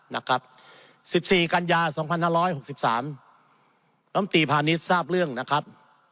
นะครับ๑๔กันยา๒๕๖๓ลำตีพาณิชย์ทราบเรื่องนะครับ